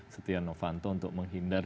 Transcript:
setia novanto untuk menghindar